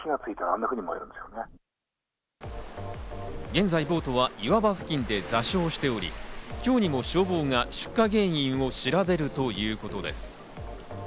現在ボートは岩場付近で座礁しており、今日にも消防が出火原因を調べるということです。